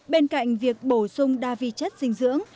bên cạnh việc bổ sung đa vi chất dinh dưỡng